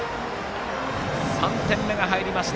３点目が入りました。